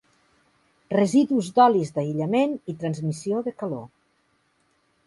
Residus d'olis d'aïllament i transmissió de calor.